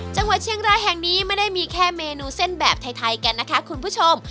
จังหวัดเชียงรายแห่งนี้ไม่ได้มีแค่เมนูเส้นแบบไทยกันนะคะคุณผู้ชม